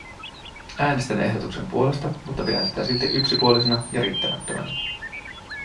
Äänestän ehdotuksen puolesta, mutta pidän sitä silti yksipuolisena ja riittämättömänä.